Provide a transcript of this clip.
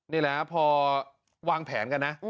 นี่แหละพอวางแผนกันนะ